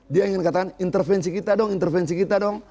dia ingin katakan intervensi kita dong intervensi kita dong